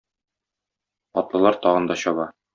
Атлылар тагын да чаба.